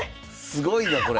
すごいなこれ。